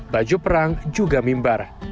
baju perang juga mimbar